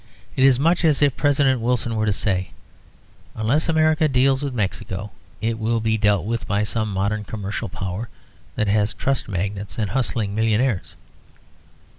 It is much as if President Wilson were to say, "Unless America deals with Mexico, it will be dealt with by some modern commercial power, that has trust magnates and hustling millionaires."